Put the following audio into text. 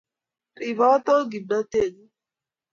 Ribota kimnateng'ung'